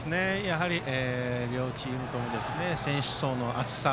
両チームとも選手層の厚さ。